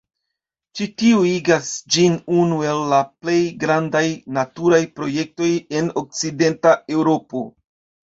Ĉi tio igas ĝin unu el la plej grandaj naturaj projektoj en Okcidenta Eŭropo.